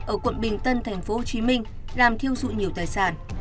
ở quận bình tân tp hcm làm thiêu dụi nhiều tài sản